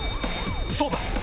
そうだ。